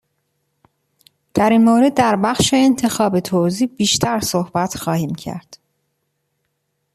در این مورد در بخش انتخاب توزیع بیشتر صحبت خواهیم کرد.